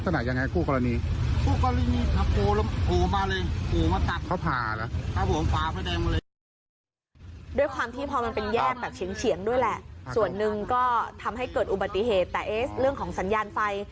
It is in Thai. ส่วนหนึ่งก็ทำให้เกิดอุบัติเหตุแต่เรื่องของสัญญาณไฟ